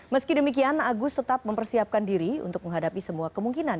meski demikian agus tetap mempersiapkan diri untuk menghadapi semua kemungkinan